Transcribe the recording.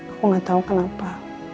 aku gak tahu kenapa